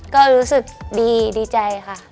ก็รู้สึกดีใจค่ะ